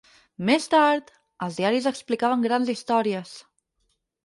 Més tard, els diaris explicaven grans històries...